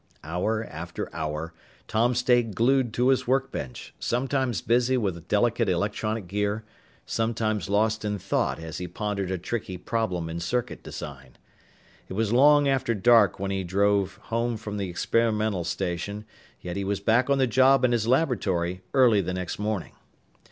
Hour after hour, Tom stayed glued to his workbench, sometimes busy with delicate electronic gear, sometimes lost in thought as he pondered a tricky problem in circuit design. It was long after dark when he drove home from the experimental station, yet he was back on the job in his laboratory early the next morning.